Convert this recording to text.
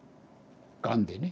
がんでね。